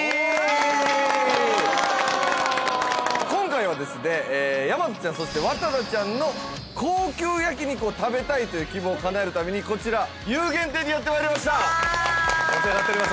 今回はですね大和ちゃんそして和多田ちゃんのという希望をかなえるためにこちら游玄亭にやってまいりましたお世話になっております